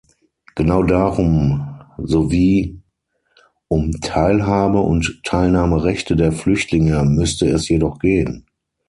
Genau darum sowie um Teilhabe- und Teilnahmerechte der Flüchtlinge müsste es jedoch gehen!